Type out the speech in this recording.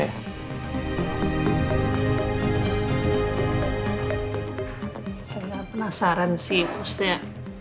saya penasaran sih maksudnya